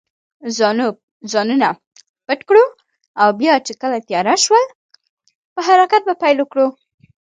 ځانونه پټ کړو او بیا چې کله تېاره شول، په حرکت به پیل وکړو.